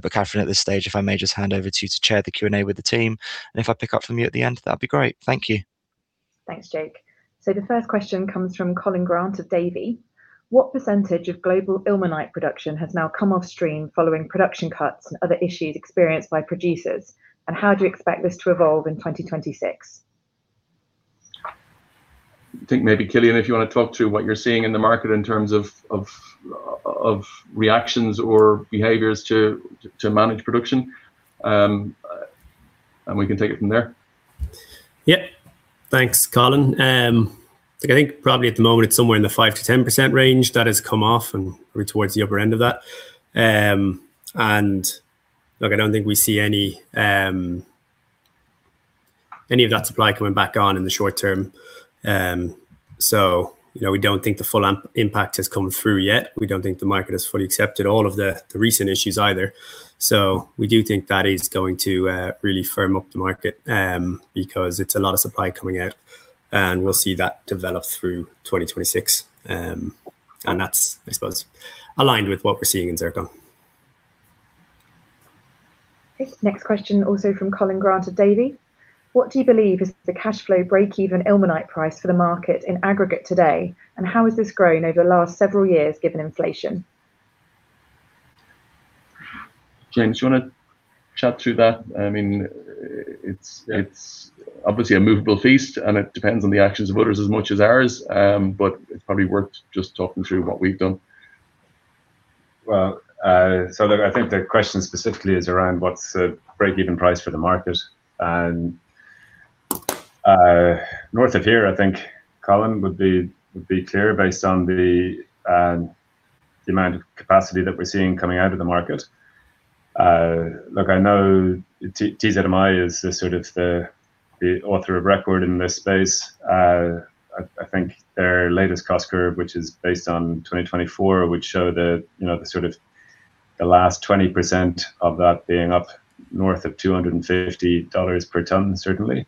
Speaker 1: Catherine, at this stage, if I may just hand over to you to chair the Q&A with the team, and if I pick up from you at the end, that'd be great. Thank you.
Speaker 6: Thanks, Jake. The first question comes from Colin Grant of Davy: What percentage of global ilmenite production has now come off stream following production cuts and other issues experienced by producers, and how do you expect this to evolve in 2026?
Speaker 2: I think maybe, Cillian, if you want to talk about what you're seeing in the market in terms of reactions or behaviors to manage production, and we can take it from there.
Speaker 5: Yeah. Thanks, Colin. Look, I think probably at the moment it's somewhere in the 5%-10% range that has come off, and we're towards the upper end of that. Look, I don't think we see any of that supply coming back on in the short term. You know, we don't think the full impact has come through yet. We don't think the market has fully accepted all of the recent issues either. We do think that is going to really firm up the market, because there's a lot of supply coming out, and we'll see that develop through 2026. That's, I suppose, aligned with what we're seeing in zircon.
Speaker 6: Okay. Next question also from Colin Grant of Davy: What do you believe is the cash flow breakeven ilmenite price for the market in aggregate today, and how has this grown over the last several years, given inflation?
Speaker 2: James, you want to chat through that? I mean, it's obviously a movable feast, and it depends on the actions of others as much as ours. It's probably worth just talking through what we've done.
Speaker 3: I think the question specifically is around what's the breakeven price for the market. North of here, I think Colin would be clear based on the demand capacity that we're seeing coming out of the market. Look, I know TZMI is the sort of author of record in this space. I think their latest cost curve, which is based on 2024, would show you know the sort of last 20% of that being up north of $250 per ton certainly.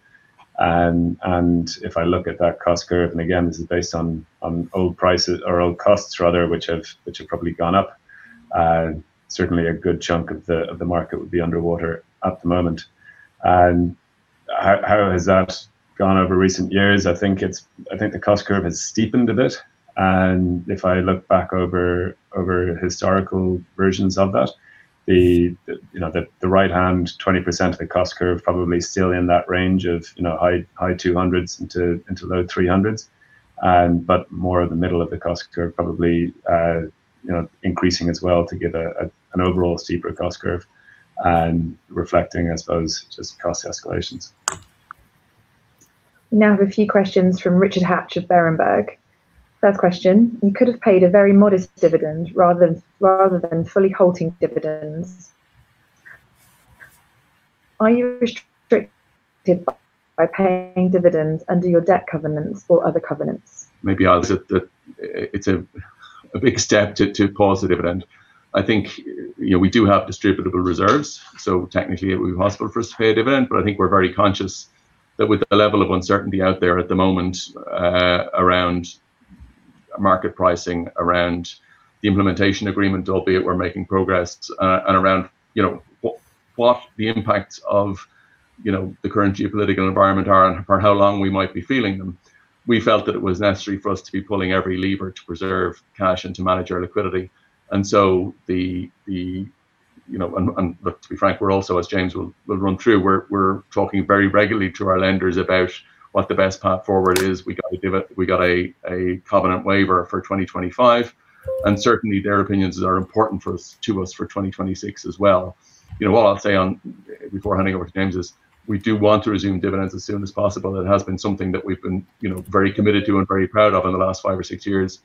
Speaker 3: If I look at that cost curve, and again, this is based on old prices or old costs rather, which have probably gone up, certainly a good chunk of the market would be underwater at the moment. How has that gone over recent years? I think the cost curve has steepened a bit, and if I look back over historical versions of that, you know, the right-hand 20% of the cost curve probably still in that range of, you know, high $200s into low $300s. But more of the middle of the cost curve probably, you know, increasing as well to give an overall steeper cost curve and reflecting, I suppose, just cost escalations.
Speaker 6: Now a few questions from Richard Hatch of Berenberg. First question, you could have paid a very modest dividend rather than fully halting dividends. Are you restricted by paying dividends under your debt covenants or other covenants?
Speaker 2: Maybe I'll say that it's a big step to pause the dividend. I think, you know, we do have distributable reserves, so technically it would be possible for us to pay a dividend. But I think we're very conscious that with the level of uncertainty out there at the moment, around market pricing, around the implementation agreement, albeit we're making progress, and around, you know, what the impacts of, you know, the current geopolitical environment are and for how long we might be feeling them, we felt that it was necessary for us to be pulling every lever to preserve cash and to manage our liquidity. You know, and look, to be frank, we're also, as James will run through, we're talking very regularly to our lenders about what the best path forward is. We got a covenant waiver for 2025, and certainly their opinions are important for us, to us for 2026 as well. You know, what I'll say on, before handing over to James, is we do want to resume dividends as soon as possible. It has been something that we've been, you know, very committed to and very proud of in the last five or six years.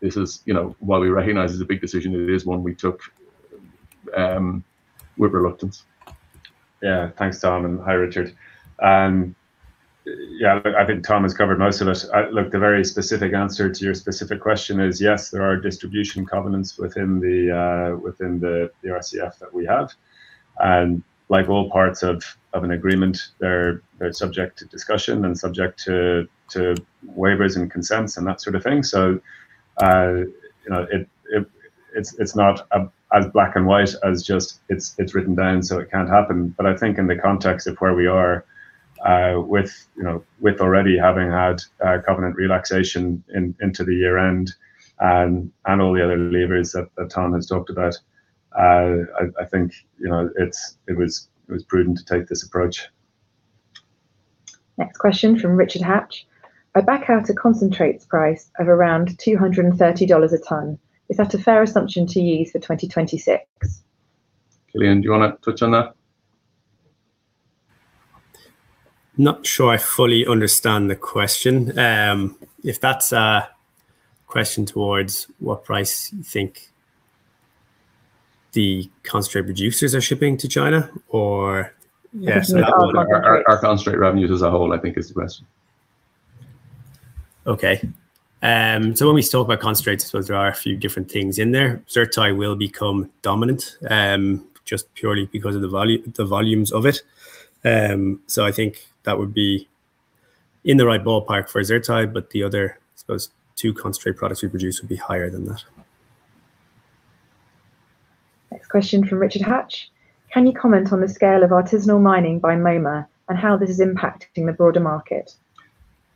Speaker 2: This is, you know, while we recognize it's a big decision, it is one we took with reluctance.
Speaker 3: Yeah. Thanks, Tom, and hi, Richard. Yeah, I think Tom has covered most of it. Look, the very specific answer to your specific question is yes, there are distribution covenants within the RCF that we have. Like all parts of an agreement, they're subject to discussion and subject to waivers, and consents and that sort of thing. You know, it's not as black and white as just it's written down, so it can't happen. I think in the context of where we are, with you know, with already having had covenant relaxation into the year-end and all the other levers that Tom has talked about, I think you know, it was prudent to take this approach.
Speaker 6: Next question from Richard Hatch. A back out of concentrates price of around $230 a ton, is that a fair assumption to use for 2026?
Speaker 3: Cillian, do you wanna touch on that?
Speaker 5: Not sure I fully understand the question. If that's a question toward what price you think the concentrate producers are shipping to China?
Speaker 6: Yes.
Speaker 2: Our concentrate revenues as a whole, I think is the question.
Speaker 5: Okay. When we talk about concentrates, there are a few different things in there. Zircon will become dominant, just purely because of the volumes of it. I think that would be in the right ballpark for zircon, but the other, I suppose two concentrate products we produce would be higher than that.
Speaker 6: Next question from Richard Hatch. Can you comment on the scale of artisanal mining by Moma and how this is impacting the broader market?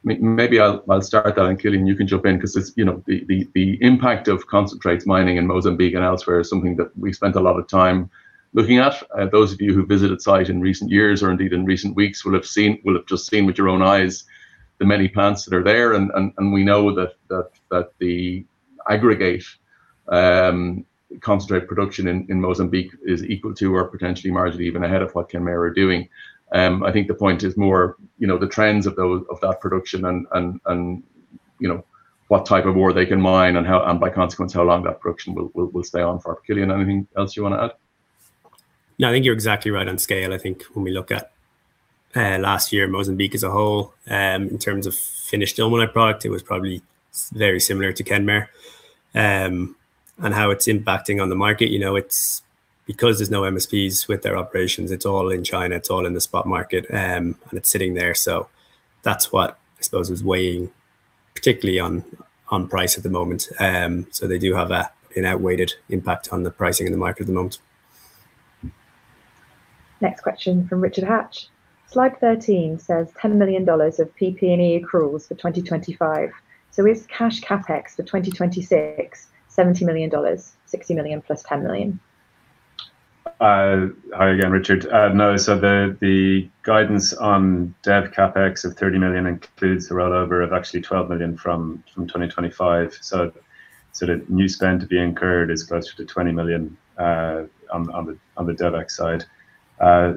Speaker 2: Maybe I'll start that and, Cillian you can jump in because it's, you know, the impact of concentrates mining in Mozambique and elsewhere is something that we spent a lot of time looking at. Those of you who visited the site in recent years or indeed in recent weeks will have just seen with your own eyes the many plants that are there. We know that the aggregate concentrate production in Mozambique is equal to or potentially marginally even ahead of what Kenmare are doing. I think the point is more, you know, the trends of that production, and you know what type of ore they can mine and how, and by consequence, how long that production will stay on for. Cillian, anything else you want to add?
Speaker 5: No, I think you're exactly right on scale. I think when we look at last year, Mozambique as a whole, in terms of finished ilmenite product, it was probably very similar to Kenmare. How it's impacting on the market, you know, it's because there's no MSPs with their operations, it's all in China, it's all in the spot market, and it's sitting there. That's what I suppose is weighing particularly on price at the moment. They do have an outweighed impact on the pricing in the market at the moment.
Speaker 6: Next question from Richard Hatch. Slide 13 says $10 million of PP&E accruals for 2025. Is cash CapEx for 2026 $70 million, $60 million plus $10 million?
Speaker 3: Hi again, Richard. No. The guidance on net CapEx of $30 million includes the rollover of actually $12 million from 2025. The new spend to be incurred is closer to $20 million on the CapEx side.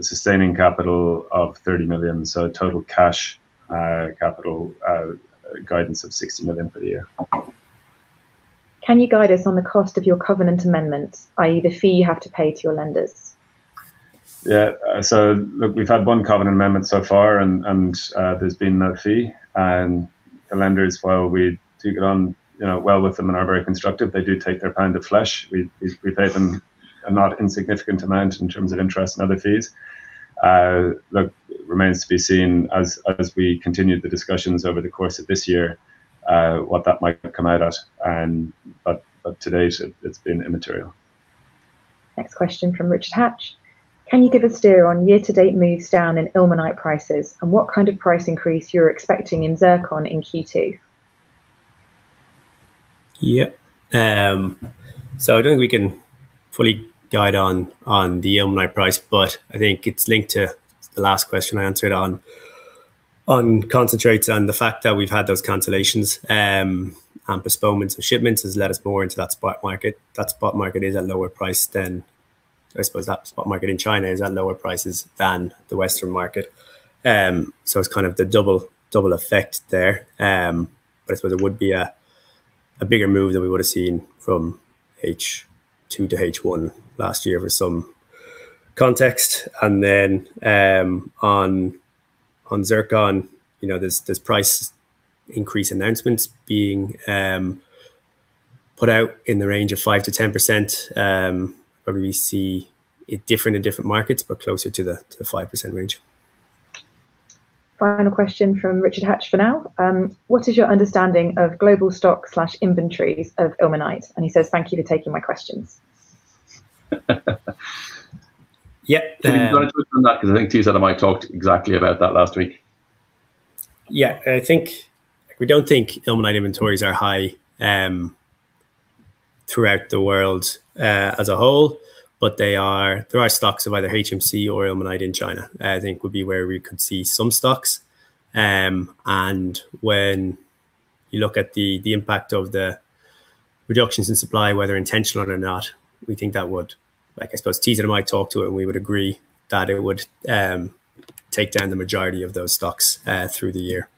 Speaker 3: Sustaining capital of $30 million, so total cash capital guidance of $60 million for the year.
Speaker 6: Can you guide us on the cost of your covenant amendments, i.e. the fee you have to pay to your lenders?
Speaker 3: Look, we've had one covenant amendment so far and there's been no fee. The lenders, while we do get on, you know, well with them and are very constructive, they do take their pound of flesh. We pay them a not insignificant amount in terms of interest and other fees. Look, it remains to be seen as we continue the discussions over the course of this year, what that might come out at. But to date, it's been immaterial.
Speaker 6: Next question from Richard Hatch. Can you give a steer on year-to-date moves down in ilmenite prices and what kind of price increase you're expecting in zircon in Q2?
Speaker 5: I don't think we can fully guide on the ilmenite price, but I think it's linked to the last question I answered on concentrates, and the fact that we've had those cancellations and postponements of shipments has led us more into that spot market. That spot market is at a lower price than I suppose that spot market in China is at lower prices than the Western market. It's kind of the double effect there. But I suppose it would be a bigger move than we would've seen from H2 to H1 last year for some context. Then, on zircon, you know, there's price increase announcements being put out in the range of 5%-10%. Probably see it differently in different markets, but closer to the 5% range.
Speaker 6: Final question from Richard Hatch for now. What is your understanding of global stock inventories of ilmenite? He says, "Thank you for taking my questions.
Speaker 5: Yeah.
Speaker 2: Do you want to touch on that? 'Cause I think TZMI and I talked exactly about that last week.
Speaker 5: I think we don't think ilmenite inventories are high throughout the world as a whole, but there are stocks of either HMC or ilmenite in China. I think that would be where we could see some stocks. When you look at the impact of the reductions in supply, whether intentional or not, we think that would, like, I suppose TZMI might talk to it, and we would agree that it would take down the majority of those stocks through the year.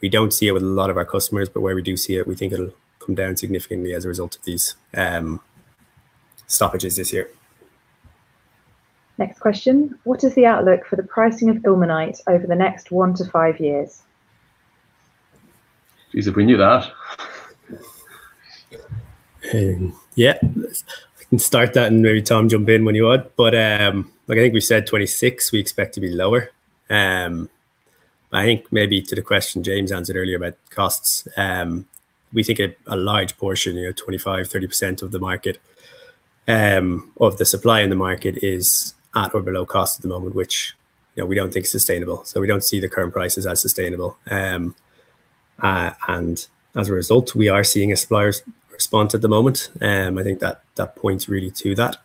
Speaker 5: We don't see it with a lot of our customers, but where we do see it, we think it'll come down significantly as a result of these stoppages this year.
Speaker 6: Next question. What is the outlook for the pricing of ilmenite over the next one to five years?
Speaker 2: Jesus, if we knew that.
Speaker 5: Yeah. I can start that and maybe Tom jump in when you want. Like I think we said 2026 we expect to be lower. I think maybe to the question James answered earlier about costs, we think a large portion, you know, 25%-30% of the market, of the supply in the market is at or below cost at the moment, which, you know, we don't think is sustainable, so we don't see the current prices as sustainable. As a result, we are seeing a supplier's response at the moment. I think that points really to that.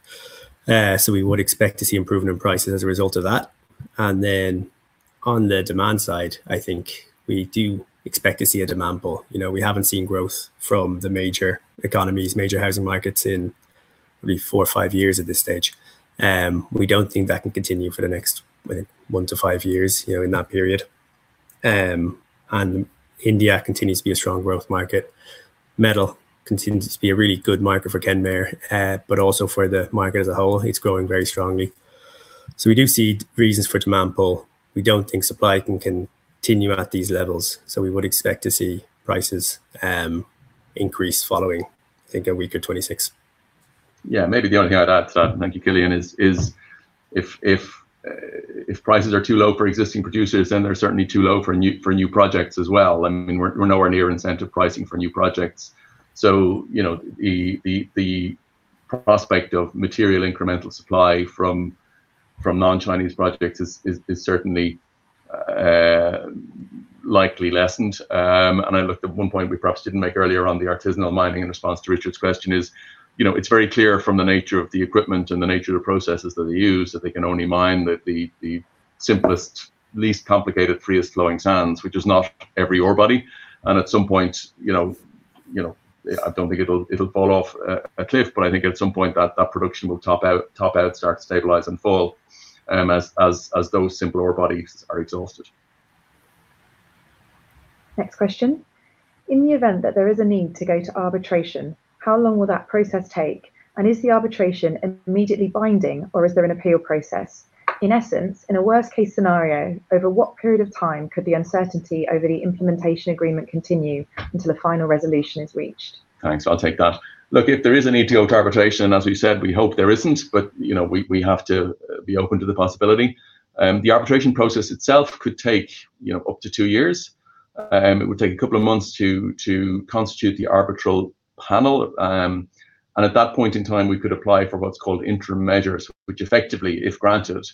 Speaker 5: We would expect to see improvement in prices as a result of that. On the demand side, I think we do expect to see a demand pull. You know, we haven't seen growth from the major economies, major housing markets in maybe four or five years at this stage. We don't think that can continue for the next one to five years, you know, in that period. India continues to be a strong growth market. Metal continues to be a really good market for Kenmare, but also for the market as a whole. It's growing very strongly. We do see reasons for demand pull. We don't think supply can continue at these levels, so we would expect to see prices increase following, I think, a weaker 2026.
Speaker 2: Maybe the only thing I'd add to that, thank you Cillian, is if prices are too low for existing producers, then they're certainly too low for new projects as well. I mean, we're nowhere near incentive pricing for new projects, so you know, the prospect of material incremental supply from non-Chinese projects is certainly likely lessened. I looked at one point we perhaps didn't make earlier on the artisanal mining in response to Richard's question. You know, it's very clear from the nature of the equipment and the nature of the processes that they use that they can only mine the simplest, least complicated, free-flowing sands, which is not every ore body. At some point, you know, I don't think it'll fall off a cliff, but I think at some point that production will top out, start to stabilize, and fall, as those simpler ore bodies are exhausted.
Speaker 6: Next question. In the event that there is a need to go to arbitration, how long will that process take? And is the arbitration immediately binding, or is there an appeal process? In essence, in a worst-case scenario, over what period of time could the uncertainty over the implementation agreement continue until a final resolution is reached?
Speaker 2: Thanks. I'll take that. Look, if there is a need to go to arbitration, as we've said, we hope there isn't, but, you know, we have to be open to the possibility. The arbitration process itself could take, you know, up to two years. It would take a couple of months to constitute the arbitral panel. At that point in time, we could apply for what's called interim measures, which effectively, if granted,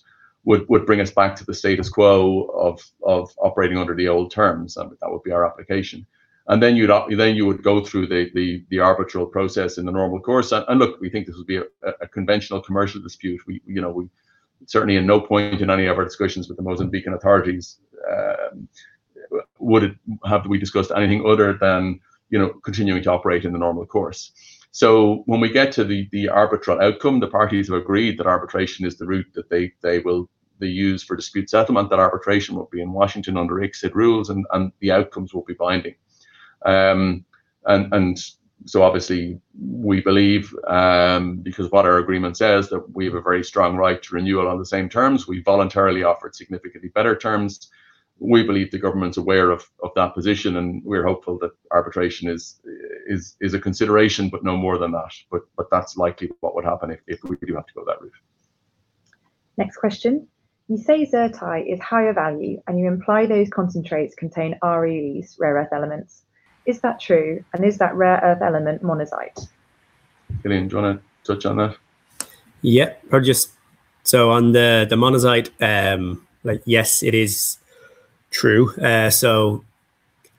Speaker 2: would bring us back to the status quo of operating under the old terms, and that would be our application. You would go through the arbitral process in the normal course. Look, we think this would be a conventional commercial dispute. We, you know, we certainly at no point in any of our discussions with the Mozambican authorities would have we discussed anything other than, you know, continuing to operate in the normal course. When we get to the arbitral outcome, the parties have agreed that arbitration is the route that they will use for dispute settlement, that arbitration will be in Washington under ICSID rules and the outcomes will be binding. Obviously, we believe, because what our agreement says, that we have a very strong right to renewal on the same terms. We voluntarily offered significantly better terms. We believe the government's aware of that position, and we're hopeful that arbitration is a consideration, but no more than that. That's likely what would happen if we do have to go that route.
Speaker 6: Next question. You say ZrTi is higher value, and you imply those concentrates contain REEs, rare earth elements. Is that true? And is that rare earth element monazite?
Speaker 2: Cillian, do you want to touch on that?
Speaker 5: On the monazite, like yes, it is true.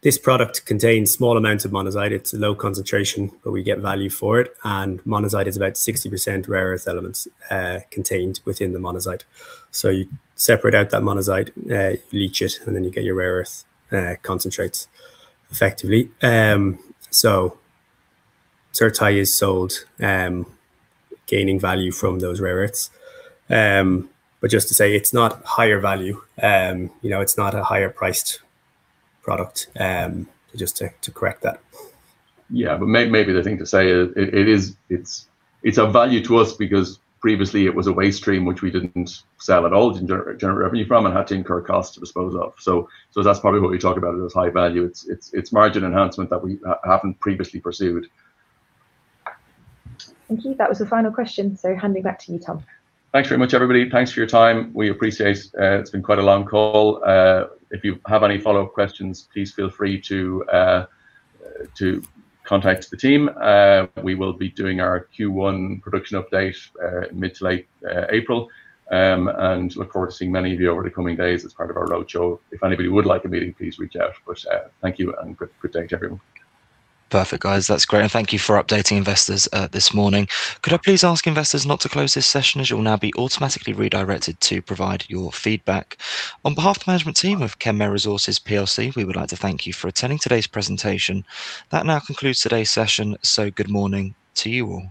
Speaker 5: This product contains small amounts of monazite. It's a low concentration, but we get value for it, and monazite is about 60% rare earth elements contained within the monazite. You separate out that monazite, you leach it, and then you get your rare earth concentrates effectively. ZrTi is sold, gaining value from those rare earths. Just to say it's not a higher value. You know, it's not a higher-priced product, just to correct that.
Speaker 2: Yeah. Maybe the thing to say is it is. It's margin enhancement that we haven't previously pursued.
Speaker 6: Thank you. That was the final question, so handing back to you, Tom.
Speaker 2: Thanks very much, everybody. Thanks for your time. We appreciate it's been quite a long call. If you have any follow-up questions, please feel free to contact the team. We will be doing our Q1 production update mid to late April. Look forward to seeing many of you over the coming days as part of our roadshow. If anybody would like a meeting, please reach out. Thank you and good day to everyone.
Speaker 1: Perfect, guys. That's great, and thank you for updating investors this morning. Could I please ask investors not to close this session as you'll now be automatically redirected to provide your feedback. On behalf of the management team of Kenmare Resources plc, we would like to thank you for attending today's presentation. That now concludes today's session, so good morning to you all.